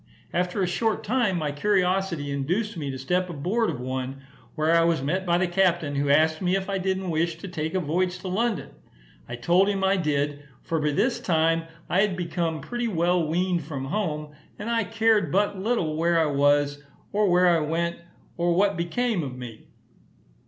After a short time my curiosity induced me to step aboard of one, where I was met by the captain, who asked me if I didn't wish to take a voyage to London? I told him I did, for by this time I had become pretty well weaned from home, and I cared but little where I was, or where I went, or what become of me.